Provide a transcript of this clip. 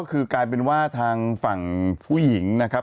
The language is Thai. ก็คือกลายเป็นว่าทางฝั่งผู้หญิงนะครับ